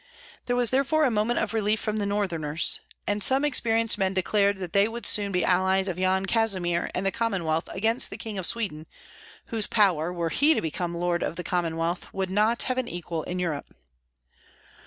"There was therefore a moment of relief from the Northerners;" and some experienced men declared that they would soon be allies of Yan Kazimir and the Commonwealth against the King of Sweden, whose power, were he to become lord of the whole Commonwealth, would not have an equal in Europe.